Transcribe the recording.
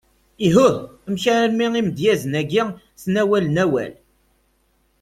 Ihuh! amek armi imedyazen agi ttnawalen awal?